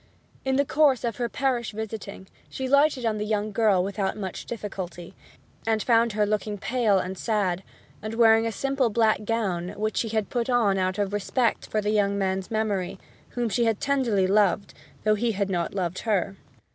In the course of her parish visiting she lighted on the young girl without much difficulty, and found her looking pale and sad, and wearing a simple black gown, which she had put on out of respect for the young man's memory, whom she had tenderly loved, though he had not loved her.